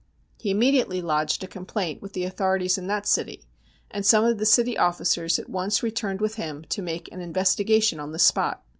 He immediately lodged a complaint with the authorities in that city, and some of the city officers at once returned with him to make an investigation on the spot.